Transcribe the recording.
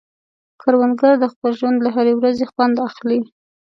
کروندګر د خپل ژوند له هرې ورځې خوند اخلي